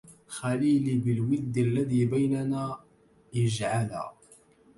خليلي بالود الذي بيننا اجعلا